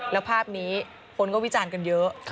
แล้วภาพนี้คนก็วิจารณ์กันเยอะ